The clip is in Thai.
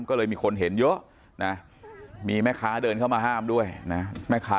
ก็เลยมีคนเห็นเยอะนะมีแม่ค้าเดินเข้ามาห้ามด้วยนะแม่ค้า